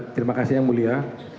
terima kasih yang mulia